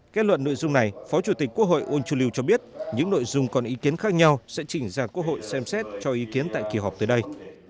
kết luận nội dung này phó chủ tịch quốc hội uông chu lưu cho biết những nội dung còn ý kiến khác nhau sẽ chỉnh ra quốc hội xem xét cho ý kiến tại kỳ họp tới đây